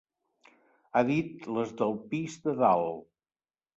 Ha dit les del pis de dalt.